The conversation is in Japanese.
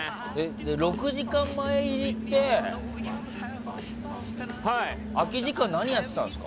６時間前入りって空き時間何やってたんですか？